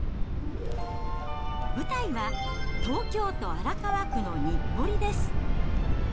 舞台は、東京都荒川区の日暮里です。